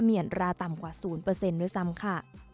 มีอัตราต่ำกว่า๐ด้วยซ้ำค่ะ